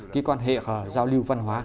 ký quan hệ giao lưu văn hóa